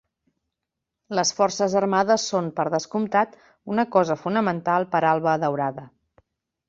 Les forces armades són, per descomptat, una cosa fonamental per a Alba Daurada.